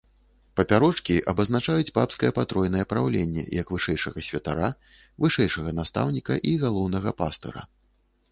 Папярочкі абазначаюць папскае патройнае праўленне як вышэйшага святара, вышэйшага настаўніка і галоўнага пастыра.